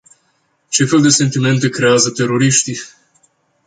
Ce fel de sentimente creează teroriștii?